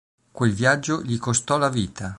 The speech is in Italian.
Quel viaggio gli costò la vita.